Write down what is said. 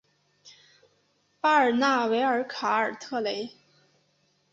巴尔纳维尔卡尔特雷。